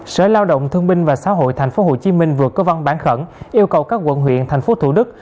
sở lao động thương minh và xã hội tp hcm vừa cơ văn bản khẩn yêu cầu các quận huyện tp thủ đức